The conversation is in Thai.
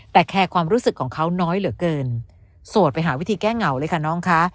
แต่แคร์ความรู้สึกของเขาน้อยเหลือเกินโสดไปหาวิธีแก้เหงาเลยค่ะน้องคะ